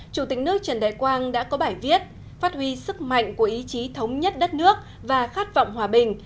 chủ tịch nước trần đại quang đã có bài viết phát huy sức mạnh của ý chí thống nhất đất nước và khát vọng hòa bình